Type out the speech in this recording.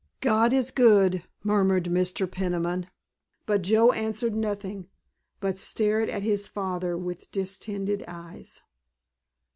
"God is good," murmured Mr. Peniman. But Joe answered nothing, but stared at his father with distended eyes.